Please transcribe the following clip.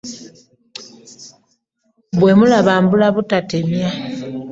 Bwe mmulaba mbula butatemya.